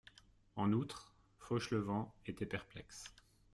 En outre, Fauchelevent était perplexe.